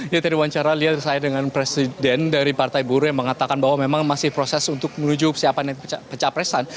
ya tadi wawancara lihat saya dengan presiden dari partai buruh yang mengatakan bahwa memang masih proses untuk menuju siapa nanti pecah presan